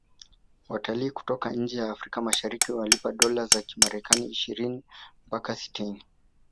watalii kutoka nje ya afrika mashariki wanalipa dola za kimarekani ishini mpaka sitini